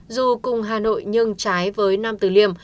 dù cùng hà nội nhưng trái với nam tử liêm